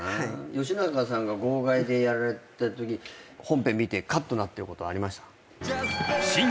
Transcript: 吉永さんが号外でやられたとき本編見てカットになってることありました？